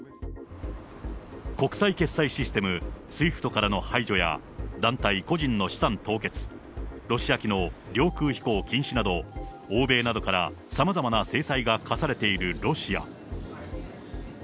国際決済システム、ＳＷＩＦＴからの排除や、団体・個人の資産凍結、ロシア機の領空飛行禁止など、欧米などからさまざまな制裁が科されているロシア。